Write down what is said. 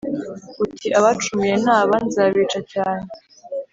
Uti: abacumuye ni aba, nzabica cyane.